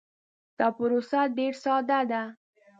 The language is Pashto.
دا پروسه ډیر ساده ده.